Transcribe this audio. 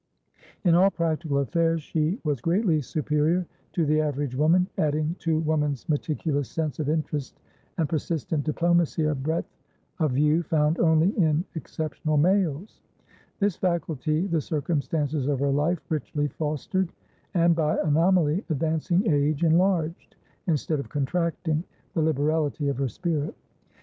In all practical affairs she was greatly superior to the average woman, adding to woman's meticulous sense of interest and persistent diplomacy a breadth of view found only in exceptional males; this faculty the circumstances of her life richly fostered, and, by anomaly, advancing age enlarged, instead of contracting, the liberality of her spirit.